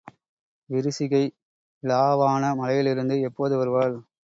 விரிசிகை இலாவாண மலையிலிருந்து எப்போது வருவாள்?